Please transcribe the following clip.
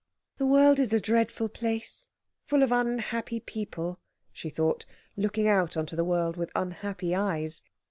"The world is a dreadful place, full of unhappy people," she thought, looking out on to the world with unhappy eyes.